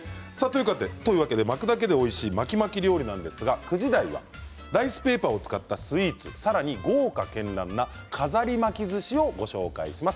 巻くだけでおいしい巻き巻き料理ですが９時台はライスペーパーを使ったスイーツさらに豪華けんらんな飾り巻きずしをご紹介します。